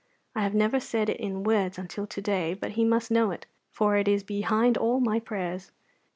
I have never said it in words until to day, but He must know it, for it is behind all my prayers.